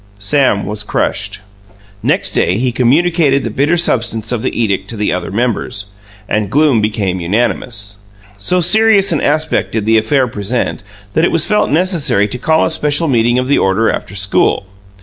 Sam was crushed. Next day he communicated the bitter substance of the edict to the other members, and gloom became unanimous. So serious an aspect did the affair present that it was felt necessary to call a special meeting of the order after school.